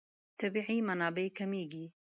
طبیعي منابع کمېږي.